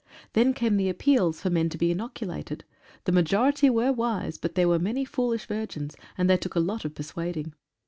Then came the appeals for men to be inoculated. The majority were wise, but there were many foolish virgins, and they took a lot of persuading.